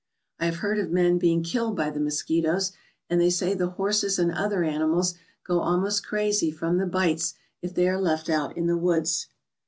I have heard of men being killed by the mosquitoes, and they say the horses and other animals go almost crazy from the bites if they are left out in the woods.